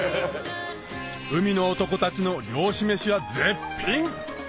海の男たちの漁師飯は絶品！